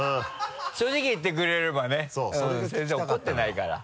正直に言ってくれればね先生怒ってないから。